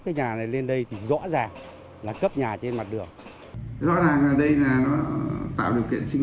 cái nhà này lên đây thì rõ ràng là cấp nhà trên mặt đường rõ ràng đây là tạo điều kiện sinh